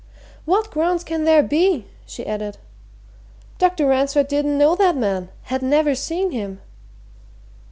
"What grounds can there be?" she added. "Dr. Ransford didn't know that man had never seen him!"